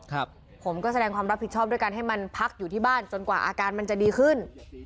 ผมก็แสดงความรับผิดชอบด้วยการให้มันพักอยู่ที่บ้านจนกว่าอาการมันจะดีขึ้น